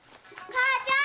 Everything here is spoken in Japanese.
母ちゃん！